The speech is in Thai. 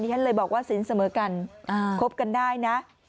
ฉันเลยบอกว่าสินเสมอกันคบกันได้นะ